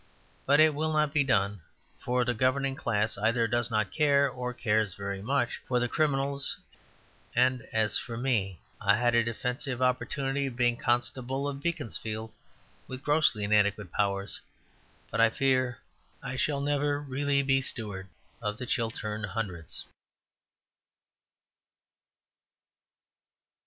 But it will not be done: for the governing class either does not care, or cares very much, for the criminals, and as for me, I had a delusive opportunity of being Constable of Beaconsfield (with grossly inadequate powers), but I fear I shall never really be Steward of the Chiltern Hundreds.